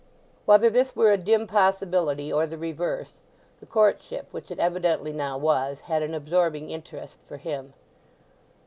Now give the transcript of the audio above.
Whether this were a dim possibility or the reverse, the courtship—which it evidently now was—had an absorbing interest for him.